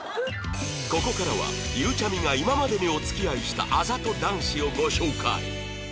ここからはゆうちゃみが今までにお付き合いしたあざと男子をご紹介